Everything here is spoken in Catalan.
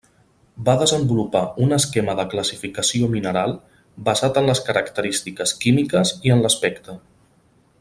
Va desenvolupar un esquema de classificació mineral basat en les característiques químiques i en l'aspecte.